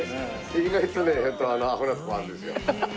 意外とねアホなとこあるんですよ。